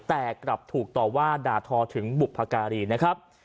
แต่กลับถูกต่อว่าด่าทอถึงบุพการีนะครับ